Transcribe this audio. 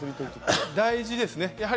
大事ですね。